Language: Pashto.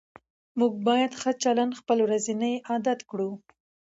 موږ باید ښه چلند خپل ورځنی عادت کړو